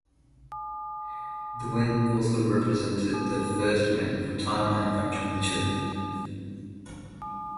The win also represented the first win for tyre manufacturer Michelin.